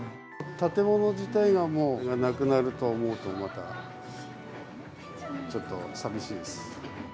建物自体がもうなくなると思うと、また、ちょっと寂しいです。